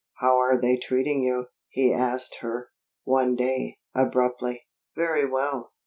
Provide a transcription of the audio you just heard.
"How're they treating you?" he asked her, one day, abruptly. "Very well."